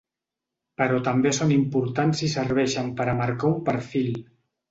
Però també són importants i serveixen per a marcar un perfil.